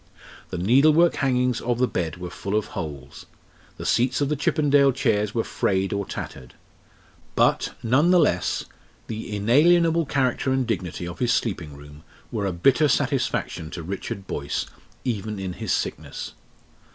The needlework hangings of the bed were full of holes; the seats of the Chippendale chairs were frayed or tattered. But, none the less, the inalienable character and dignity of his sleeping room were a bitter satisfaction to Richard Boyce, even in his sickness.